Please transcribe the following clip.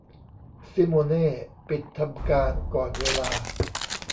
ซิโมเน่ปิดทำการก่อนเวลา